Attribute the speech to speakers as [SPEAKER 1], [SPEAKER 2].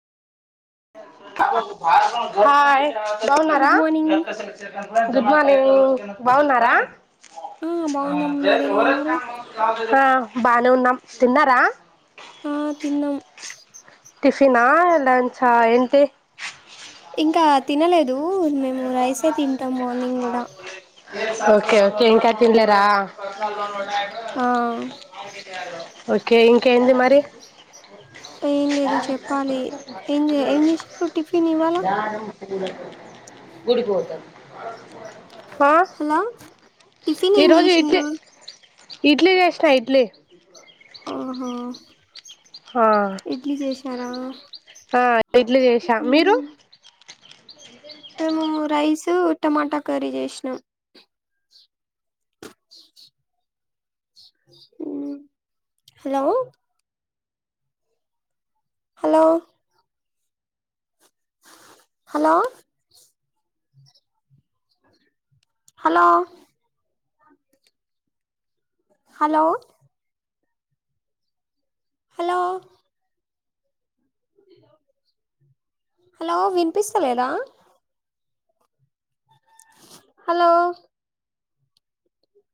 [SPEAKER 1] Hi బావున్నార
[SPEAKER 2] good morning
[SPEAKER 1] good morning బావున్నరా
[SPEAKER 2] ఆ బాగున్నాం మీరెలా ఉన్నారు
[SPEAKER 1] హా బానే ఉన్నాం తిన్నరా
[SPEAKER 2] ఆ తిన్నాం
[SPEAKER 1] టిఫినా లంచ్ హా ఏంటి
[SPEAKER 2] అ తినలేదు ఉ మేము రైసే తింటాం మార్నింగ్ కూడ
[SPEAKER 1] ఓకె ఓకె ఇంకా తిన్లేర
[SPEAKER 2] ఆ
[SPEAKER 1] ఓకే ఇం ఇంకేంది మరి
[SPEAKER 2] ఏం లేదు చెప్పాలి ఏం ఏం చేసిండు టిఫిన్ ఇవాల
[SPEAKER 1] [inaudible] గుడికి పోతాం ఆ
[SPEAKER 2] హలో టిఫిన్
[SPEAKER 1] ఈ
[SPEAKER 2] ఏం
[SPEAKER 1] రోజు ఇడ్లి
[SPEAKER 2] చేసిండ్రు
[SPEAKER 1] ఇడ్లి చేసిన ఇడ్లి
[SPEAKER 2] ఆహ
[SPEAKER 1] హ ఆ ఇడ్లి చేసాం మీరు
[SPEAKER 2] మ్మ్. మేము రైస్ టమాట కర్రీ చేసినాం ఉమ్ hello hello hello hello hello hello hello వినిపిస్తలేదా హలో